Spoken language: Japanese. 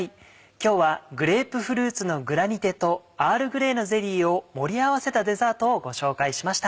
今日は「グレープフルーツのグラニテとアールグレーのゼリー」を盛り合わせたデザートをご紹介しました。